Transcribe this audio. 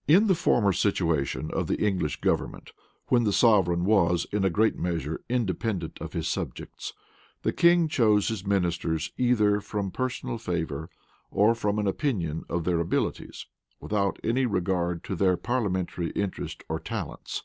[*] In the former situation of the English government, when the sovereign was in a great measure independent of his subjects, the king chose his ministers either from personal favor, or from an opinion of their abilities, without any regard to their parliamentary interest or talents.